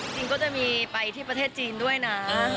จริงก็จะมีไปที่ประเทศจีนด้วยนะ